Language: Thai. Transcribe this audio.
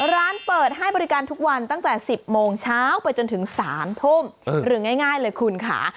ร้านเปิดให้บริการทุกวันตั้งแต่๑๐โมงเช้าไปจนถึง๓ทุ่มหรือง่ายเลยคุณค่ะ